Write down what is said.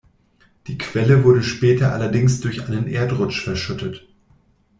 Die Quelle wurde später allerdings durch einen Erdrutsch verschüttet.